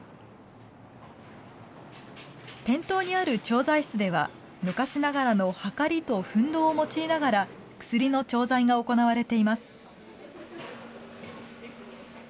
店頭にある調剤室では昔ながらのはかりと分銅を用いながら、薬の調剤が行われています。